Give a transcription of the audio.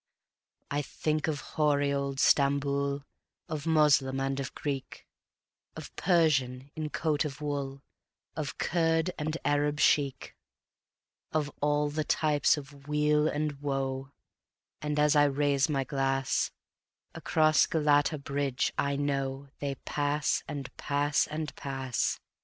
I think of hoary old Stamboul, Of Moslem and of Greek, Of Persian in coat of wool, Of Kurd and Arab sheikh; Of all the types of weal and woe, And as I raise my glass, Across Galata bridge I know They pass and pass and pass.